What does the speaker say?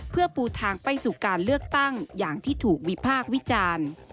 เพื่อปูทางไปสู่การเลือกตั้งอย่างที่ถูกวิพากษ์วิจารณ์